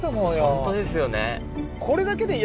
ホントですよ。